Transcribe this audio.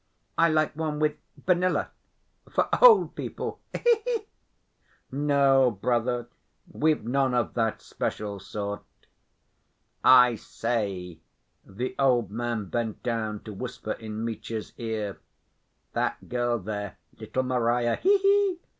"I like one with vanilla ... for old people. He he!" "No, brother, we've none of that special sort." "I say," the old man bent down to whisper in Mitya's ear. "That girl there, little Marya, he he!